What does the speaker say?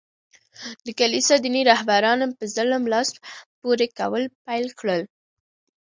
د کلیسا دیني رهبرانو په ظلم لاس پوري کول پېل کړل.